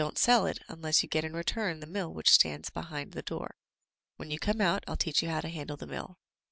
T59 MY BOOK HOUSE don't sell it unless you get in return the mill which stands behind the door. When you come out Vl\ teach you how to handle the mill."